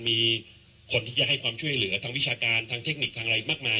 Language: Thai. มีคนที่จะให้ความช่วยเหลือทางวิชาการทางเทคนิคทางอะไรมากมาย